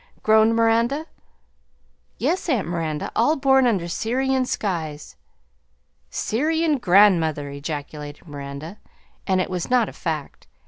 groaned Miranda. "Yes, aunt Miranda, all born under Syrian skies." "Syrian grandmother!" ejaculated Miranda (and it was not a fact).